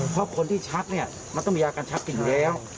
เพราะคนที่ชักมันต้องมียาการชักอยู่แล้ว